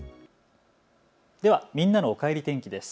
ではみんなのおかえり天気です。